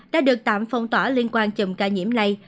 đã được tạm phong tỏa liên quan chùm ca nhiễm này